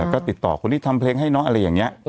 ก็ติดต่อคนที่ทำเพลงให้น้องอะไรอย่างนี้